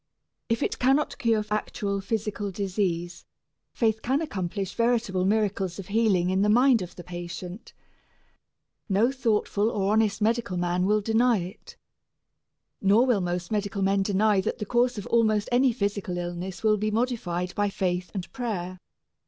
If it cannot cure actual physical disease, faith can accomplish veritable miracles of healing in the mind of the patient. No thoughtful or honest medical man will deny it. Nor will most medical men deny that the course of almost any physical illness may be modified by faith and prayer.